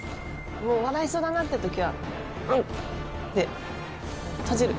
もう笑いそうだなってときは、んむって閉じる。